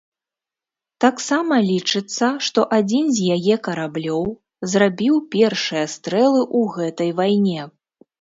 Таксама лічыцца, што адзін з яе караблёў зрабіў першыя стрэлы ў гэтай вайне.